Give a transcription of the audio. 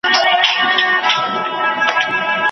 زه په داسي حال کي